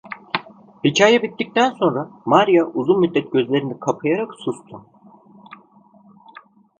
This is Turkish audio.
Hikâye bittikten sonra, Maria uzun müddet gözlerini kapayarak sustu.